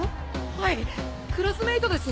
はいクラスメートです。